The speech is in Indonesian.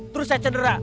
terus saya cedera